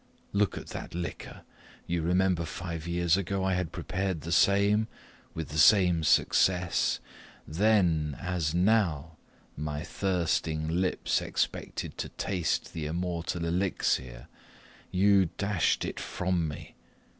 Look at that liquor you remember five years ago I had prepared the same, with the same success; then, as now, my thirsting lips expected to taste the immortal elixir you dashed it from me!